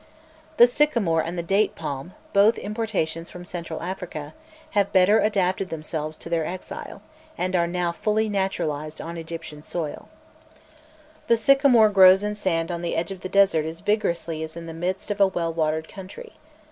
] The sycamore and the date palm, both importations from Central Africa, have better adapted themselves to their exile, and are now fully naturalized on Egyptian soil. [Illustration: 037.jpg FOREST OF DATE PALMS] The sycamore grows in sand on the edge of the desert as vigorously as in the midst of a well watered country.